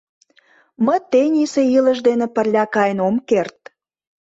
Мый тенийсе илыш дене пырля каен ом керт.